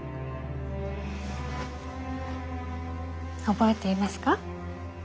覚えていますか？